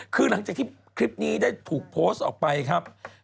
คือหลังจากที่คลิปนี้ได้ถูกโพสต์ออกไปครับ